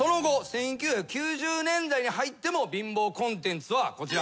１９９０年代に入っても貧乏コンテンツはこちら。